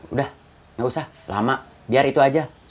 udah gak usah lama biar itu aja